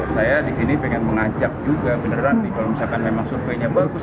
saya di sini pengen mengajak juga beneran kalau memang surveinya bagus